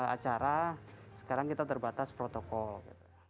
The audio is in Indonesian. acara sekarang kita terbatas protokol gitu